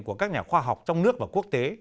của các nhà khoa học trong nước và quốc tế